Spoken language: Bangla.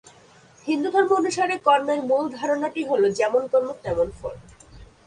হিন্দুধর্ম অনুসারে কর্মের মূল ধারণাটি হল "যেমন কর্ম, তেমন ফল"।